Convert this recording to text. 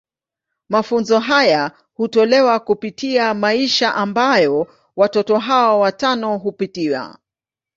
Mafunzo haya hutolewa kupitia maisha ambayo watoto hawa watano hupitia.